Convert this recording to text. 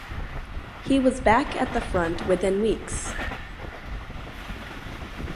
He was back at the front within weeks.